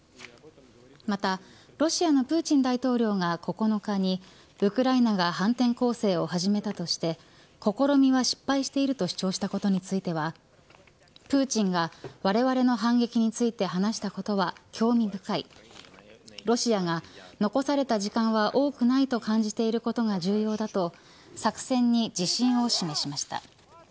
また、ロシアのプーチン大統領が９日にウクライナが反転攻勢を始めたとして試みは失敗していると主張したことについてはプーチンがわれわれの反撃について話したことは興味深いロシアが残された時間は多くないと感じていることが重要だと作戦に自信を示しました。